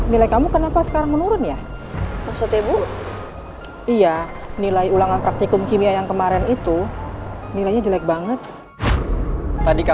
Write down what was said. lelah cukup untuk tangan dan kakiku